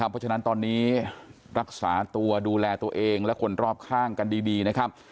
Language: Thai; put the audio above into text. เพราะฉะนั้นตอนนี้รักษาตัวดูแลตัวเองและคนรอบข้างกันดีนะครับ